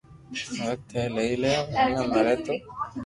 وقت ھي لئي لي ورنہ مري تو